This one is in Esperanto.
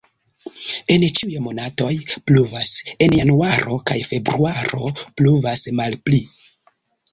En ĉiuj monatoj pluvas, en januaro kaj februaro pluvas malpli.